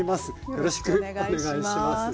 よろしくお願いします。